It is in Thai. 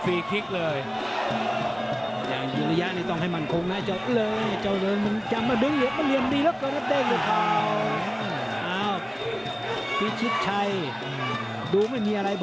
อีกหนึ่งมันกว่านี้อีกนะ